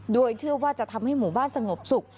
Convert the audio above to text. โดยเชื่อว่าจะทำให้หมู่บ้านสงบสุข